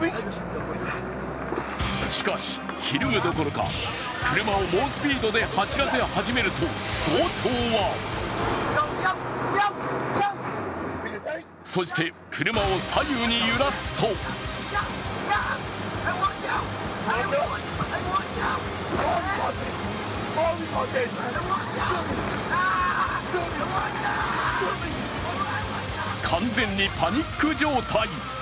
しかし、ひるむどころか車を猛スピードで走らせ始めると強盗はそして車を左右に揺らすと完全にパニック状態。